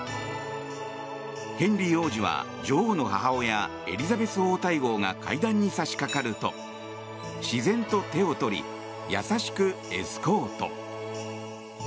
ヘンリー王子は女王の母親エリザベス王太后が階段に差しかかると自然と手を取り優しくエスコート。